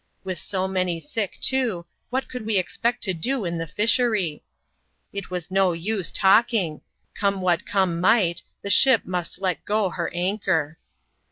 With so many sick, too, what could we expect to do in the fishery ? It was no use talking ; come what come might, the ship must let go her anchor.